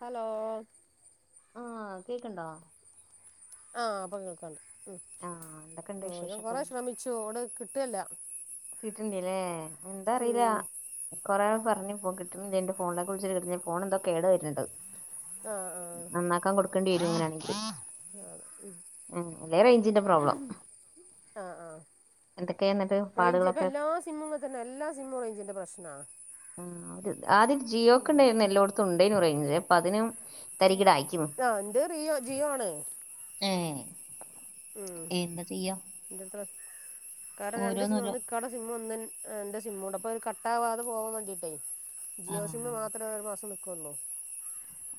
Hello ആഹ് കേക്കണ്ടോ? ആഹ് ഇപ്പൊ കേക്കണ്ട് ഉം ആഹ് എന്തൊക്കെണ്ട് ഓ ഞാൻ വിശേഷൊക്കെ കൊറെ ശ്രമിച്ചു [unintelligible] കിട്ടല്ല കിട്ട്ണില്ലേ എന്താ അറിയില്ല ഉം കൊറേ ആൾ പറഞ്ഞു ഇപ്പോ കിട്ട്ണില്ല എന്റെ ഫോണിലേക്ക് വിളിച്ച് കിട്ടണില്ല, ഫോൺ എന്തോ കേട് വെരുന്നുണ്ട്. ആഹ് ആഹ് നന്നാക്കാൻ കൊടുക്കണ്ടി വെരും ഇങ്ങനാണെങ്കില്. ഉം അല്ലേ റേഞ്ചിന്റെ പ്രോബ്ലം. ആഹ് ആഹ് എന്തക്കെയാ ഇന്നിട്ട്? റേഞ്ച് ഇപ്പ എല്ലാ സിമ്മും ഇങ്ങനെത്തെന്നാ എല്ലാ സിമ്മും റേഞ്ചിൻ്റെ പ്രശ്നാ. ഉം ആ ഒരു ആദ്യം ജിയോക്ക്ണ്ടായിരുന്ന് എല്ലോടൊത്തും ഉണ്ടേന് റേഞ്ച് ഇപ്പതിനും തരികിടായിക്ക്ന്ന് ആഹ് എന്റെ റിയോ ജിയോ ആണ് ഏഹ് ഉം എന്താ ചെയ്യാ [unintelligible] കാരണം രണ്ട് സിമ്മ് ഓരോന്നോരോ ഒന്നിക്കാടെ സിമ്മും ഒന്നെൻ എൻ്റെ സി സിമ്മുണ്ട് അപ്പൊ [unintelligible] കട്ടാവാതെ പോവാൻ വേണ്ടിട്ടേ ജിയോ ആഹ് സിമ്മ് മാത്രമേ ഒരു മാസം നിക്കുള്ളൂ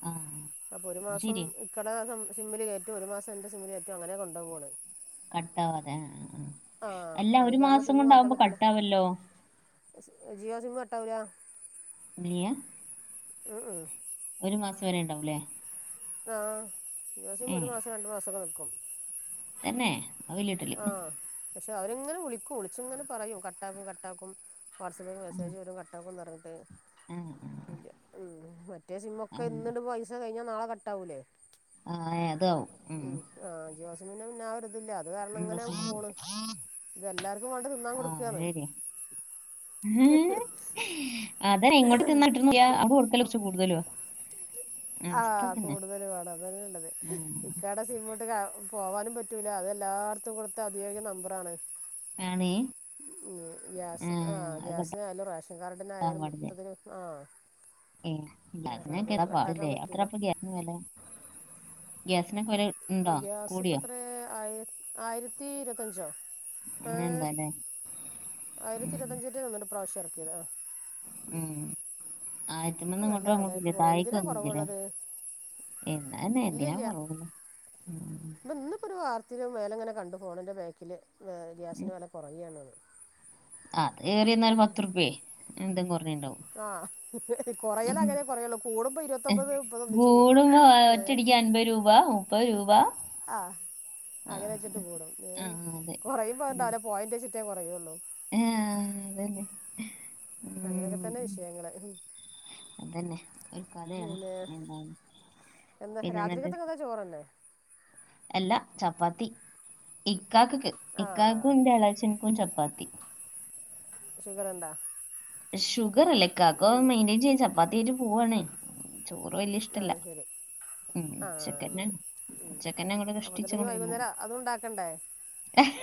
ആഹ് അപ്പൊ ഒരു അത് മാസം ശെരിയാ ഇക്കട സ സിമ്മില് കേറ്റും ഒരു മാസ എന്റെ സിമ്മില് കേറ്റും അങ്ങനെ കൊണ്ടോവ ഓള് കട്ടവാതെ ആ ആഹ് ആഹ്. ആ അല്ല അത് ഒരു കാരണം മാസം സിമ്മ് മാറ്റാൻ കൊണ്ടാവുമ്പോ പറ്റില്ല കട്ടാവല്ലോ ജിയോ സിമ്മ് ഇണ്ടാവൂലാ നീയാ ഉം ഉം ഒരു മാസം വരെ ഇണ്ടാവുല്ലേ ആ [unintelligible] ഒരു മാസം രണ്ടു മാസൊക്കെ നിക്കും തെന്നെ അത് വെല്ല്യ കിട്ടല് പക്ഷെ അവരിങ്ങനെ വിളിക്കും വിളിച്ചിങ്ങനെ പറയും കട്ടാക്കും കട്ടാക്കും വാട്സആപ്പിൽ ആ മെസേജ വരും കട്ടാക്കും [unintelligible] മ്മ്. ആ ഇല്ല്യ. മറ്റേ ആ ആ സിമ്മൊക്കെ ഇന്ന്ട് പൈസ കഴിഞ്ഞാ നാളെ കട്ടാവൂലെ? ആഹ്, യേ.. അതാവും. മ്മ് [unintelligible] ആ ഒര് ഇത്‌ ല്ല. അത് കാരണം ഇങ്ങനെ സംഭവം? പോണ്. ഇത് ല്ലാർക്കും വേണ്ടെ തിന്നാൻ കൊടുക്കാന്ന്. ന്നേ.., അതാണേയ്. ങ്ങോട്ട് തിന്നിട്ടിരു [unintelligible] അപ്പം കൊടുക്കൽ ലൊറച്ച് കൂടുതലുഅ. ആഹ്, കൂടുതല് വാണം അതാണ് ള്ളത്. ഉം. ഇക്കടെ സിമ്മിട്ട് കാ പോവാനും പറ്റൂല. അത് എല്ലാട്ത്തും കൊടുത്ത അതിയോഗ്യ നമ്പറാണ്. ആണെ മ്മ്. ഗ്യാസ്, ആഹ്, ഗ്യാസിനായാലും റേഷൻ കട്ടാൻ കാർഡിനായാലും പാടില്ല മൊത്തത്തില്, ആഹ് ഏ ഗ്യാസിനൊക്കെ എന്താ പാട് കട്ടാക്കാൻ ലേ പറ്റൂല എത്രപ്പം ഗ്യാസിന് വെല ഗ്യാസിനൊക്കെ വെലണ്ടോ ഗ്യാസ് ഇപ്പം കൂടിയോ എത്ര ആയി ആയിരത്തി ഇരത്തഞ്ചോ? അങ്ങനെ എന്താ ഏഹ്.., അല്ലേ ആയിരത്തി ഉം, ഇരത്തഞ്ചറ്റെന്ന്ണ്ട് ഇപ്രാശ്യം എർക്കിയത്. ആഹ്. ഉം. ആയിരത്തി മൂന്ന് ഒക്കെ നല്ല ഇങ്ങോട്ടും അങ്ങോട്ടും ഇല്ല വെലായിട്ട് പോണ്. താഴേക്ക് എന്തിനാ വന്നില്ലേ കൊറവുള്ളത്? എന്നാ തന്നെ എന്തിനാ ഇല്യല്ല. കുറവുള്ളു ഉം. ത് ഇന്ന്പ്പൊരു വാർ ത്തില് മേലെങ്ങനെ കണ്ടു. ഫോണിന്റെ ബേക്കില്, ഏഹ്, ഗ്യാസിന് വെല കൊറയാണ്ന്ന്. അത് ഏറി ന്നാൽ പത്ത്ർപ്യെ എന്തെ ആഹ്. ഉം. കൊറയലങ്ങനെ കൊറയൊള്ളൂ. കൂടുമ്പോ ഇരുപത്തൊമ്പത് മുപ്പത് ഒന്നിച്ച് കൂടും. ഏ ഒറ്റടിക്ക് അൻപത് രൂപ, മുപ്പത് രൂപ ആഹ് ആ അങ്ങനെ വെച്ചിട്ട് കൂടും. ഏ ആ അതെ കൊറയും ഉം. അത്ണ്ടാവല് പോയന്റ് വച്ചിട്ട്- ത്തെ കൊറയൊള്ളൂ. ആ, അതന്നെ മ്മ്, അങ്ങനെ ഒക്കെ ത തന്ന ഉം, വിഷയങ്ങളെ ഇഹ് അതന്നെ ഒരു കഥയാണ് പിന്നെ, എന്താണ് എന്താ രാത്രിക്കത്ത്ക്കൊക്കെ ചോറന്നെ? എല്ല, ചപ്പാത്തി. ഇക്കാക്ക്ക്ക്. ആ ഇക്കാക്കും ന്റെ എളേഛൻക്കും ചപ്പാത്തി. ഷുഗറ് ണ്ടാ? ഷുഗർ ഇല്ല ഇക്കാക്ക്. മെയിന്റെയ്ൻ ചെയ്ത് ചപ്പാത്തി യിച് പോവവാണേ. ചോറ് വല്യ ആ ഇഷ്ടല്ല. ശരി ഉം. ആ ച്ചക്കെന്നെ, അങ്ങനെ ഉം. ഉച്ചക്കെന്നെ അങ്ങട് അപ്പം എന്നിട്ട് ഇനി കഷ്ട്ടിച്ചങ്ങണ്ട് വന്നാ വൈകുന്നേരം അതും ഉണ്ടാക്കണ്ടേ എഹ്,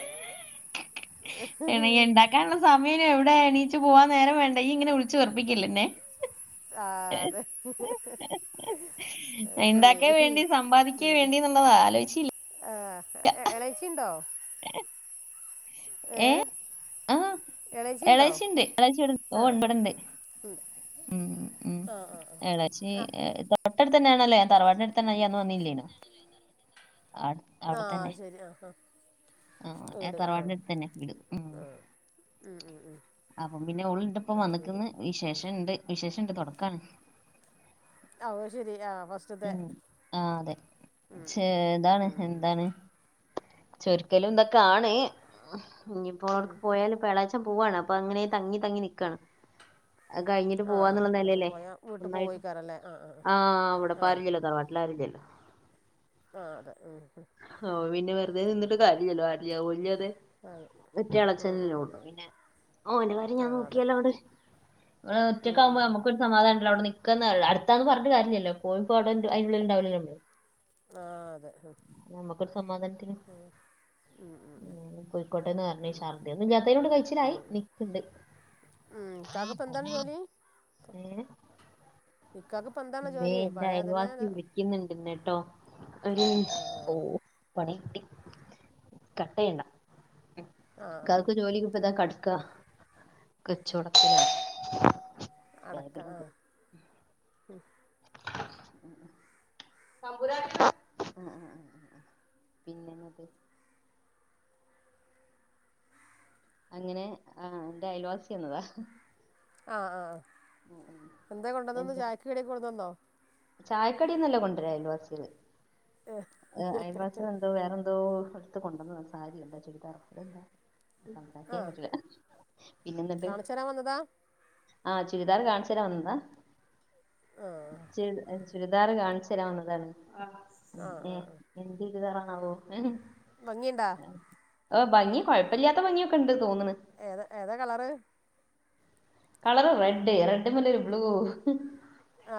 [unintelligible] എനിക്ക്ണ്ടാക്കാനുള്ള സമയ- [unintelligible] എവിടെ എണീച്ചു പോവാൻ നേരം വേണ്ടേ ഇയ്യ് ഇങ്ങനെ വിളിച്ച് വെറുപ്പിക്കല്ലെന്നെ ആഹ് അതെ അത് ഞാൻ ശരി ഇണ്ടാക്കാ വേണ്ടി സമ്പാദിക്കാ ഉം. വേണ്ടിന്ന്ള്ളത് ആലോചീച്ചില്ല. ആ, എ എഹ് എളേച്ചി ഇണ്ടോ? ഏ ഏഹ് [unintelligible] എളേച്ചിണ്ട് എളച്ചിവിട് ഓ ആ ഇപട്ണ്ട് ഉം ഉം ആ ആ എളേച്ചി ആ എഹ് തൊട്ടടുത്തെന്നെയാണ് അല്ല ഞാൻ തറവാട്നടുത്തന്നെ യ്യ് അന്ന് വന്നില്ലേനോ. അടെ ആ അവ്ടെ ആ തന്നെ. ശരി ആ ആ ആഹ്. ഞാ വീട് ആ തറവാടന്നട്ത്തന്നെ വീട്. ഉം ഉം ഉം ഉം അപ്പം പിന്നെ ഓള് അത് ഇന്റപ്പം ശരി വന്ന്ക്ക്ക്ന്ന് വിശേഷം വിശേഷണ്ട് തൊട്ക്കാണ്. ഓഹ് ശരി ആഹ്. ഉം ആഹ് അതെ ചെ ഇതാണ് എന്താണ് ചൊരിക്കലും ഇന്തൊക്കെയാണ് ഇനിയിപ്പോ അവർക്ക് പോയല് വ്യളാ്ച്ച പോവാണ് അപ്പൊ അങ്ങനെ തങ്ങി തങ്ങി നിക്കാണ് കഴിഞ്ഞിട്ട് ആ പോവാന്നുള്ള അച്ഛൻ നിലല്ലേ പോയാൽ വീട്ടിൽ നന്നായിട്ട് പോയിക്കാറല്ലേ ആ അവിടെ ആ അരുല്യാലോ തറവാട്ടലരൂല്ലലോ ആ അതെ ഉം ഉം ആ പിന്നെ വെറുതെ നിന്നിട്ട് കാര്യാല ആജല് അതെ ഒറ്റ ഉം അളച്ചന ഉം ഉം ഉള്ളു പിന്നെ ഓ എറെ കാര്യം ആ ഞാൻ അതെ നോക്കിയാലോ അവിടെ ഒറ്റ ഉം ഒക്ക ഉം ആകുമ്പോ ഉം നമുക്ക്രു സമാധാന ഉണ്ടല്ല അവിടെ അടുത്താന്ന് പറഞ്ഞ് കാര്യില്ലല്ല പോയിപ്പോ അവി അുള്ള ഉണ്ടാവില്ലോ നമ്മള് ആ അതെ ഉം നമ്മക്കൊരു സമാധാനത്തിന് ഉ കോയിക്കോട്ടേന്ന് പറഞ്ഞ ശർദി ഒുംത്തയിലോട് കഴിച്ചിലായി നിക്കണ്ട് ഉ ഇക്കക്കെപന്താണ് ജോലിയ ഏഹ് ഇക്കക്ക പന്ത േ എറെ അയൽവാസി വിളിക്കുന്നുണ്ട്ന്ന് കേട്ടോരു ആ ആ ആ ആ കട്ടയണ്ടക്ക് ജോലിക്ക് ഇപ്പ ഇതാ കടു കച്ചവടത്തിലാണ് അടക്കാ ഉ മ്പ ആ പിന്നെന്നത് അങ്ങനെ ആ എന്റെ അയൽവാസിന്നതാ ആആ ആ എന്താ കൊണ്ടന്നന്ന് ചായാക് കടി കൊടുന്നന്നോ ചായക്കടന്നല്ല കൊണ്ടുവരാ അയൽവാസിയിൽ അയൽവാസിൽ എന്തോ വേറെന്തോ എത്ത് കൊണ്ടന്ന സാരിയുണ്ട ചുവിതാറും അതെന്താ ആ സംസാക്കാൻ പറ്റില്ല പിന്നെണ്ട് കാണിച്ചു തരാൻ വന്നതാ ആ ചുരിദാർ കാണിച്ച തരാ വന്നതാ ആ ചരി ചുരിദാർ കാണിച്ചു തരാാവുന്നതാണ് ആ ഏ എന്ത് ചുരിദാറാണാവോ ഭംഗിയണ്ടാ ഹ് ഭംഗി കുഴപ്പമില്ലാത്ത ഭംഗിയൊക്കെ ഉണ്ട് തോന്ന്ണ് ഏതോ ഏതോ കളർ കളർ റെഡ് റെഡമെലരു ബ്ലൂ ആ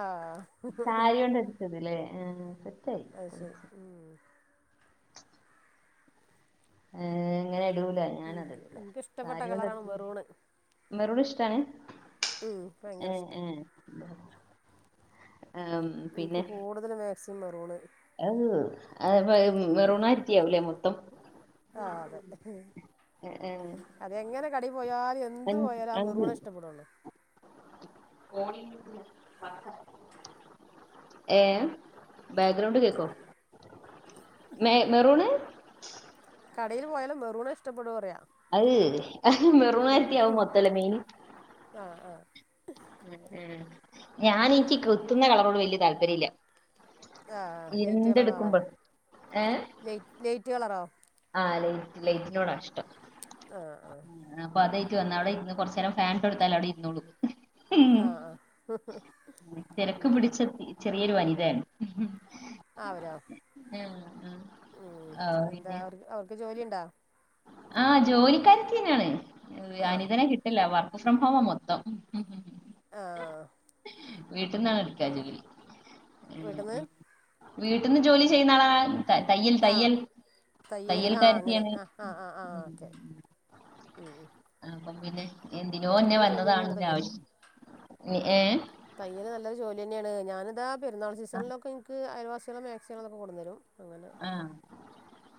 സാരി കൊണ്ട അഡിച്ചത്ല്ലേ ആ അത്ശ് ആ അങ്ങനെ ഇടൂല ഞാൻ എനിക്ക് അതിടുൂല എനിക്കിഷ്ടപ്പെട്ട കാര്യണ്ട് കളറാണ് എ മെറൂണ് മെറ ഇഷ്ടാണ് ഉം ഭയങ്കര ഏഹ് ഇഷ്ട ഏഹ് ആം എനിക്ക് കൂടുതൽും മാക്സിം മറൂണ് റൊണായിരത്തിയാവൂലേ മൊത്തം ആ അതെ ഏഹ് അതെങ്ങനെ കടി പോയാലും എന്തു പോയാലും ആ മേറ്വുള ഇഷ്ടപ്പെടള്ളു ഓ ഏ ബാക്ക്ഗ്രൗണ്ട് കേൾക്കോ മെ മെറൂണ് കടയിൽ പോയാലും മെറുൂണ ഇഷ്ടപ്പെടുക പറയാ അത് അ മെറമാരത്തിയാവും മൊത്തല്ല മീന് ആ ആ ആ ഞാൻ എനിക്ക് ക എത്തുന്ന കളറോട് വല്ിയ താല്പര്യം ഇല്ല ആഹ ലൈറ്റ് കളറാണോ ലൈറ്റ് ലൈറ്റ് കളറോ ആഹ ലൈറ്റ് ലൈറ്റിലോടാ ഇഷ്ടം ആ ആ അപ്പൊ അതേറ്റ് വന്ന അവിടെ ഇന്ന് കൊറച്ച നേരം പാന്റ് എടുത്താല അവിടെ ഇരന്ന്ോളും ആഹ ആഹ ഉ വരു വനിതയാണ് ആരോ ഉ ആ എന്താ അവർക്ക് അവർക്ക് ജോലി ഉണ്ടാ ആഹ ജോലിക്കാ ത തന്നെയാണ് ആ അനിതനെ കിട്ടില്ല വർ സം്രംഭവം മൊത്തം ആ വീട്ട്ന്നാണ് എടുക്കാ ജോലി വീട്ടിൽ നിന്ന് വീട്ടിന്ന് ജോലി ചെയ്യുന്ന ആളാ ത തയ്യൽ ആ തയ്യൽ തയ്യൽ ആ അങ്ങനെ കരുത്തിയാണ് ആ ആ ആ അപ്പ പിന്നെ എന്തിനോ ന്നെ നല്ലൊരു ജോലി വന്നതാണ് തന്നെയാണ് തയ്യല് ആവശ്യം ഏ തയ്യല് നല്ലരു ജോലി തന്നെയാണ് ഞാനിത ഇാ പെുന്നാൾ ആഹ് സീസണിലൊക്കെ എനിക്ക് അയൽ പച്ചികള മാക്സിമങ്ങളൊക്കെ കൊണ്ടു തരും അങ്ങനെ ആഹ്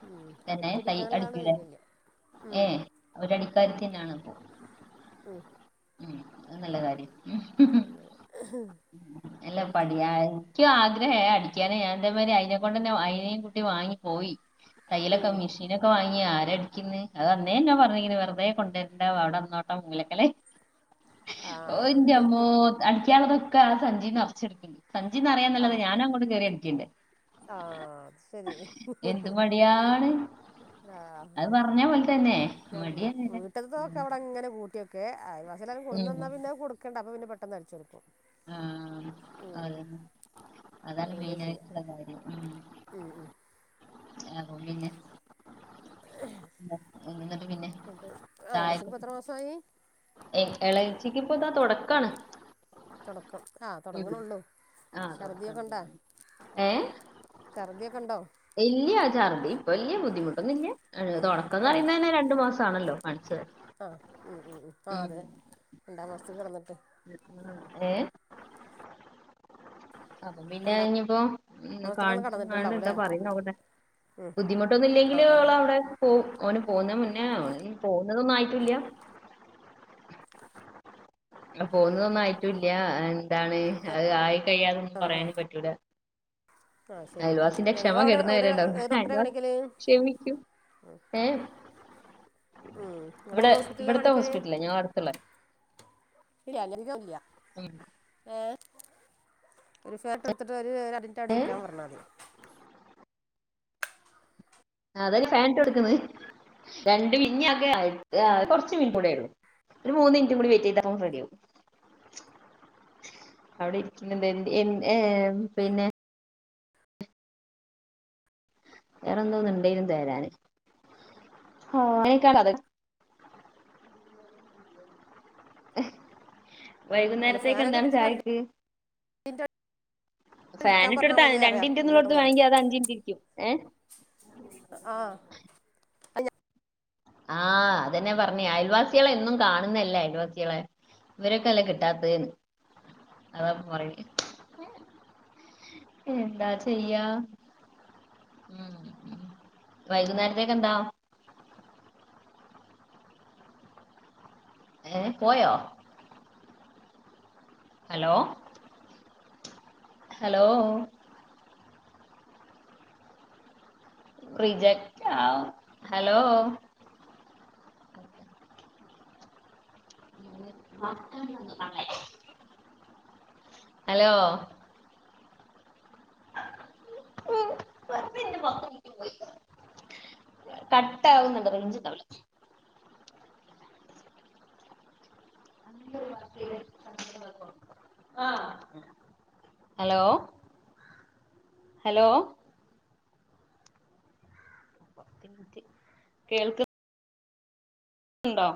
ഉം തന്നെ തൈ വെട്ടിടിക്കാനുള്ള ആള് അടിക്കൂലേ തരില്ലേ ഉം കരുത്തിന്നാണ് അപ്പോ ഉം ഉം അത് നല്ല കാര്യം ഇ അല്ല പഠിയാ എനിക്കും ആഗ്രഹേ അടിക്കാന ഞാൻന്റെ മരി അയിതിനെ കൊണ്ട്ന്നെ അയ്ന് ട്ടി വാങ്ങി പോയി തയ്യലൊക്കെ ഉം മെഷീനൊക്കെ വങ്ങി ഞ്ഞ് ആരടിക്കന്ന് അത് അന്നേ എന്നാ പറഞ്ഞങ്ങനെ വെറുതെ കൊണ്ടുവരണ്ട അവിടെ അന്നോട്ടെ മുങ്ങലൊക്കല്ലെ ആ ഓ ഇന്റമ്മോ അടിക്കനുള്ളതൊക്കെ ആ സഞ്ചീ നർച്ച് ണ്ട് സഞ്ജിന്നറിയ ആ ന്നല്ലാതെ ഞാൻ അങ്ങോട്ട് കയറി അടുക്കില്ല ആ ശരി എന്ത് മടിയാണ് ആ അത് പറഞ്ഞ പോലെ തന്നെ ഞാൻ വി മടിയാ നേരെ വീട്ട്ത്തൊക്കെ അവിടെ അങ്ങനെ കൂട്ടിക്കും ഓക്കെ അയൽവാസിക്കെ കൊടുന്ന് ഉം ന്ന പിന്നെ കൊടുക്കണ്ടെ അപ്പ പിന്നെ പെട്ടെന്ന് അടിച്ച് കൊടുക്കും ആഹ് അത അതാണ് അങ്ങനെ ചെയ്യുക മെയിനായിട്ടുള്ള കാര്യം ഉം ഉം ആ പിന്നെ എന്നിട്ട് പിന്നെ എന്നിട്ട് ആ ചായ ഇളച്ചിക്ക് എത്ര മാസമായി ഏ എളേച്ചിക്ക് ഇപ്പൊ ഇതാ തുടക്കാണ് ആഹ് ഉം തുടങ്ങ്ണൊള്ളു ആ തുടക്കാണ് ഛർദിയൊക്കെണ്ടാ തുടങ്ങി. ചർദിയൊക്കെ ഉണ്ടോ വലിയ ആചാുണ്ട് ഇപ്പൊ വലിയ ബുദ്ധിമുട്ടൊന്നുമില്ല ഏ തുടക്കംന്ന്റിയുന്നന്നെ രണ്ടു മാസം ആണല്ലോ ആഹ് ഉ ഉ ഉ ആ അതെ ണ്ടാവു കൊർച്ച്‌ കിടന്നിട്ട് ഏ അപ്പൊ പിന്നെ രണ്ടാം ഞ്ഞ്പ്പോ മാസത്തേക്കാണ് കാണിച്ചു കാണണ്ട് കിടന്നിട്ടുണ്ടാവുംല്ലേ എന്താ പറയുന്നു നോക്കട്ടെ ബുദ്ധിമുട്ടൊന്നും ഇില്ലെങ്കിൽ അവളെ അവിടെ പോകവും ഓന് പോകുന്ന മുന്നേ പോകുന്നതൊന്നും ആയിട്ടില്ല പോകുന്നതൊന്നും ആായിട്ടുംല്ല എന്താണ് ആ അ ആയി കയിയാതൊന്നും ആ ആ പറയാനും പറ്റൂല ആ ശരി അൽവാസിന്റെ ക്ഷമ ഞങ്ങളവിടെ അവിടെ കെടുന്നവരുണ്ടാവു ഏത് ഡോക്ടറെ അൽവാസ് കാണിക്കല് ക്ഷമിക്കൂ ഏ ഉം ഇവിടെ നിങ്ങളവിടെ ഹോസ്പിറ്റലിലാണ് ഇവിടത്തെ കാണിക്കല് ഹോസ്പിറ്റല ഞങ്ങള അടുത്തുള്ള ഇല്ല അങ്ങനരിക്ക ഇല്ല ഉം. ഏർ ഒരു ഫേട്ട എടുത്തിട്ട് അത് അടി ഏ അടിയിക്കാൻ പറഞ്ഞാതെ അതായല് ഫാനട്ട് എടുക്കന്ന് രണ്ട് മിഞ്ഞൊക്കെ കുറച്ച് മീൻ കൂടെള്ളു ഒരു മൂന്ന് മിനിറ്റും കൂടി വെയിറ്റ് ചെയ്ത റെഡി ആകും അവിടെ ഇരിക്കുന്നത് എ എ ഏർ പിന്നെ വേറെന്തോന്ന ഇണ്ടെനു തരാന് ആ ക്കണതെ അല്ല ഫാനൊക്കെ വൈകുന്നേരത്തേക്കെന്താണ് എടുത്തിട്ട് രണ്ട് ചായക്ക് മിനിറ്റ് അവിടെ ഇരിക്കാൻ ഫാനിട്ട പറഞ്ഞാൽ എടുത്ത് മതി അറിയാം രണ്ടിന്റിന്നുള്ളടുത്ത് വാങ്ങി അത് അഞ്ചിൻറ്റ് ഇരിക്കും ഏ ആഹ് അത് ഞ ആ അതെന്നെ പറഞ്ഞേ അയൽവാസികളെ എന്നും കാണുന്നല്ല അയൽവാസികളെ ഇവരൊക്കെല്ല കിട്ടാത്ത അതാപ്പ എന്താ ചെയ്യാ ഉം വൈകുന്നേരത്തേക്കെ എന്താ ഏ പോയോ ഹലോ ഹലോ റിജക്ട് ആ ഹലോ [unintelligible] ഹലോ ന്റെ പോയി [unintelligible] കട്ട ആവുന്നുണ്ട് റെയ്ഞ്ച് ഉണ്ടാവൂല ആ ഹലോ ഹലോ കേൾക്ക ഉണ്ടോ